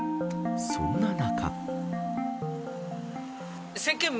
そんな中。